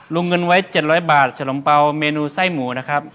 ลงเงินไว้๗๐๐บาทขนมเปล่าเมนูไส้หมูนะครับ